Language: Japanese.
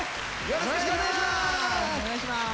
よろしくお願いします！